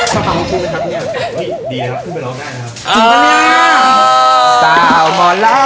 สวัสดีครับ